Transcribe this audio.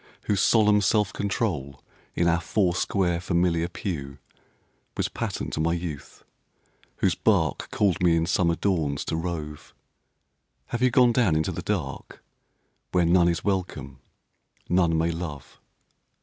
whose solemn self control In our four square, familiar pew, Was pattern to my youth whose bark Called me in summer dawns to rove Have you gone down into the dark Where none is welcome, none may love?